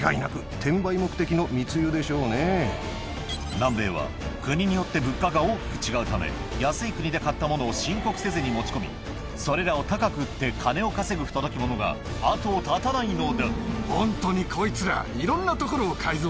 南米は国によって物価が大きく違うため安い国で買った物を申告せずに持ち込みそれらを高く売って金を稼ぐ不届き者が後を絶たないのだまったく！